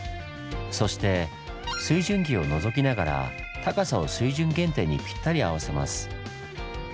そして水準儀をのぞきながら高さを水準原点にぴったり合わせます。